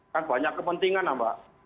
kan banyak kepentingan mbak